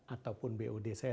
ataupun bod saya